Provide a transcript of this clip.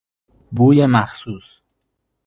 بوی مخصوص